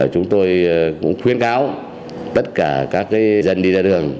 chúng tôi cũng khuyên cáo tất cả các dân đi ra đường